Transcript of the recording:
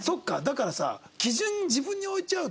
だからさ。